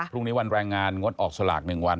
พรุ่งนี้วันแรงงานงดออกสลาก๑วัน